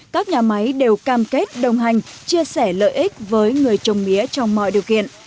các nhà máy đều cam kết đồng hành chia sẻ lợi ích với người trồng mía trong mọi điều kiện